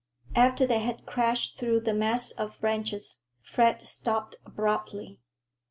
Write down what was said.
After they had crashed through the mass of branches, Fred stopped abruptly.